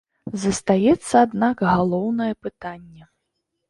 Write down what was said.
Застаецца, аднак, галоўнае пытанне.